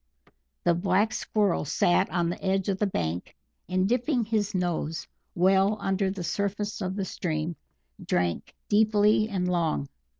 The Black Squirrel sat on the edge of the bank, and dipping his nose well under the surface of the stream, drank deeply and long.